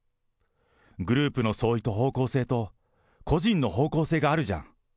グループの総意と方向性と、個人の方向性があるじゃん。